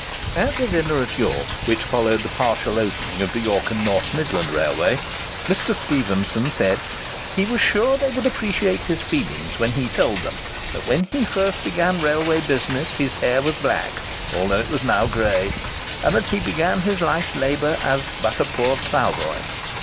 At the dinner at York, which followed the partial opening of the York and North Midland Railway, Mr. Stephenson said, "he was sure they would appreciate his feelings when he told them, that when he first began railway business his hair was black, although it was now grey; and that he began his life's labour as but a poor ploughboy.